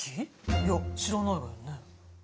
いや知らないわよね。